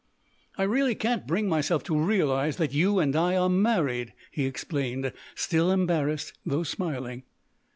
"I really can't bring myself to realise that you and I are married," he explained, still embarrassed, though smiling.